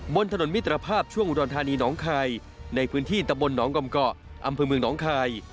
บนถนนมิตรภาพช่วงอุดรธานีน้องคายในพื้นที่ตะบนหนองกำเกาะอำเภอเมืองหนองคาย